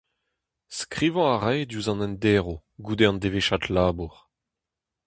Skrivañ a rae diouzh an enderv, goude an devezhiad labour.